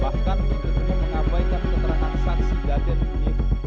bahkan ini tidak mengabai keterangan saksi dada diri